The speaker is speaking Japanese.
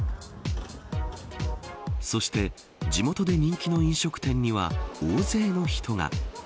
そして、地元で人気の飲食店には大勢の人が。